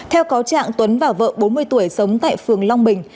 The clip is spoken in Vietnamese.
theo cáo trạng tuấn và vợ bốn mươi tuổi sống tại phường long bình